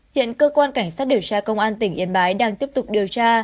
hiện cơ quan cảnh sát điều tra công an tỉnh yên bái đang tiếp tục điều tra